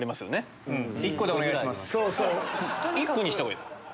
１個にしたほうがいいんですか。